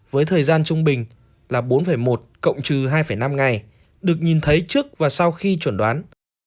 với thời gian trung bình là bốn một cộng trừ hai năm ngày được nhìn thấy trước và sau khi chuẩn đoán